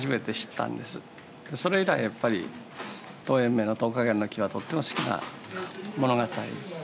それ以来やっぱり陶淵明の「桃花源記」はとっても好きな物語。